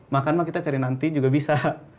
makan mah kita cari nanti juga bisa